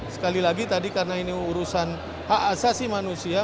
sekali lagi tadi karena ini urusan hak asasi manusia